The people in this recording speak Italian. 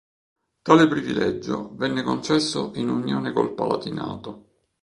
Tale privilegio venne concesso in unione col Palatinato.